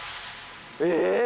えっ？